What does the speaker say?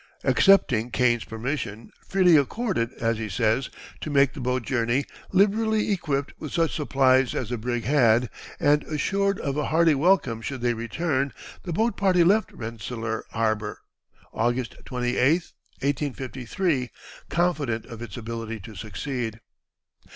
Accepting Kane's permission, freely accorded, as he says, to make the boat journey, liberally equipped with such supplies as the brig had, and assured of a hearty welcome should they return, the boat party left Rensselaer Harbor, August 28, 1853, confident of its ability to succeed.